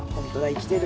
生きてる。